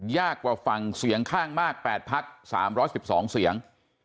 ยากกว่าฝั่งเสียงข้างมาก๘พัก๓๑๒เสียง